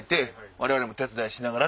我々も手伝いしながら。